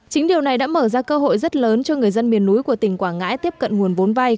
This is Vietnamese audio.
chính điều này đã mở ra cơ hội rất lớn cho người dân miền núi của tỉnh quảng ngãi tiếp cận nguồn vốn vay